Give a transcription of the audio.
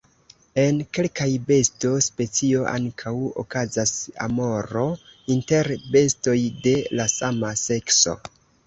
En kelkaj besto-specioj ankaŭ okazas amoro inter bestoj de la sama sekso.